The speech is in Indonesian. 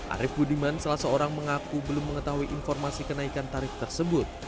arief budiman salah seorang mengaku belum mengetahui informasi kenaikan tarif tersebut